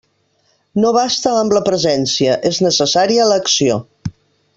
No basta amb la presència, és necessària l'acció.